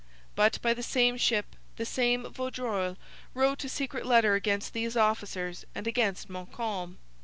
But, by the same ship, the same Vaudreuil wrote a secret letter against these officers and against Montcalm.